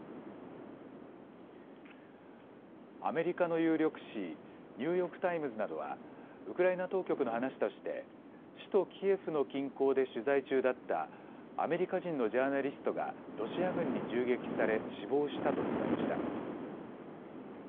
アメリカの有力紙、ニューヨーク・タイムズなどは、ウクライナ当局の話として首都キエフの近郊で取材中だったアメリカ人のジャーナリストがロシア軍に銃撃され死亡したと伝えました。